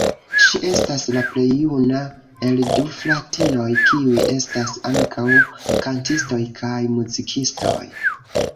Ŝi estas la plej juna el du fratinoj, kiuj estas ankaŭ kantistoj kaj muzikistoj.